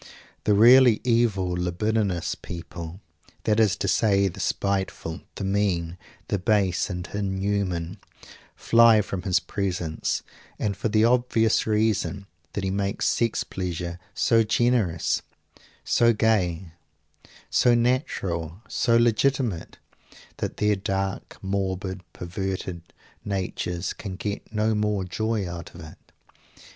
The really evil libidinous people, that is to say the spiteful, the mean, the base and inhuman, fly from his presence, and for the obvious reason that he makes sex pleasure so generous, so gay, so natural, so legitimate, that their dark morbid perverted natures can get no more joy out of it.